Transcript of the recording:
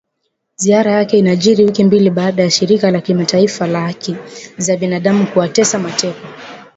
Ziara yake inajiri wiki mbili baada ya shirika la kimataifa la haki za binadamu kuwatesa mateka